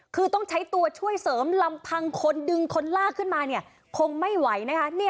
คือต้องใช้ตัวช่วยเสริมลำพังคนดึงคนลากขึ้นมาเนี่ยคงไม่ไหวนะคะ